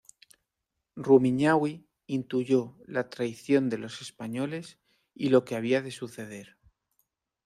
Rumiñahui intuyó la traición de los españoles y lo que había de suceder.